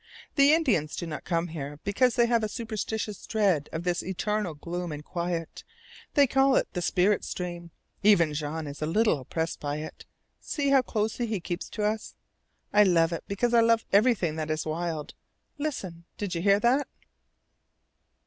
The Indians do not come here, because they have a superstitious dread of this eternal gloom and quiet. They call it the Spirit Stream. Even Jean is a little oppressed by it. See how closely he keeps to us. I love it, because I love everything that is wild. Listen! Did you hear that?"